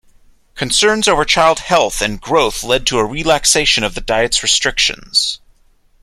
Concerns over child health and growth led to a relaxation of the diet's restrictions.